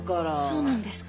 そうなんですか？